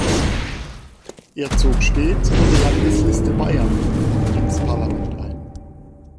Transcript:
Er zog stets über die Landesliste Bayern ins Parlament ein.